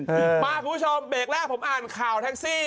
มาคุณผู้ชมเบรกแรกผมอ่านข่าวแท็กซี่